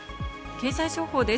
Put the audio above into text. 経済情報です。